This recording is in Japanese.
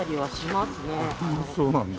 そうなんだ。